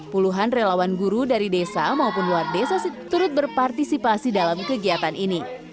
puluhan relawan guru dari desa maupun luar desa turut berpartisipasi dalam kegiatan ini